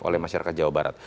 oleh masyarakat jawa barat